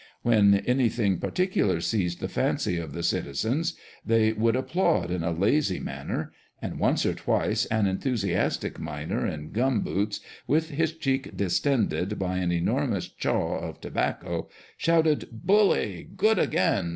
When anything parti cular seized the fancy of the "citizens," they would applaud in a lazy manner, and once or twice an enthusiastic miner in gum boots, with his cheek distended by an enormous "chaw" of tobacco, shouted "Bully!" "Good again!"